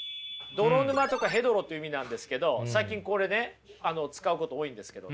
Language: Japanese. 泥沼とかヘドロという意味なんですけど最近これね使うこと多いんですけどね。